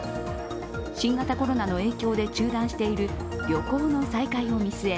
新型コロナの影響で中断している旅行の再開を見据え